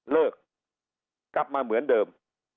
เลิกกลับมาเหมือนเดิม